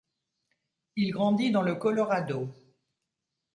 Il grandit dans le Colorado.